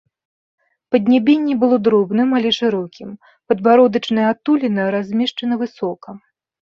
Паднябенне было дробным, але шырокім, падбародачная адтуліна размешчана высока.